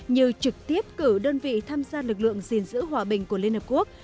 như trực tiếp cử đơn vị tham gia lực lượng gìn giữ hòa bình của liên hợp quốc